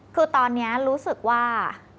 คือตอนนี้รู้สึกว่า